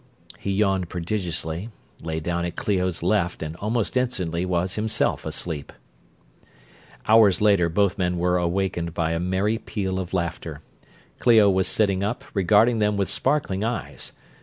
He yawned prodigiously, lay down at Clio's left, and almost instantly was himself asleep. Hours later, both men were awakened by a merry peal of laughter. Clio was sitting up, regarding them with sparkling eyes.